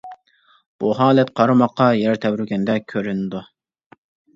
بۇ ھالەت قارىماققا يەر تەۋرىگەندەك كۆرۈنىدۇ.